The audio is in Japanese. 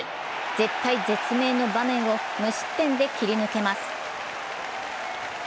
絶体絶命の場面を無失点で切り抜けます。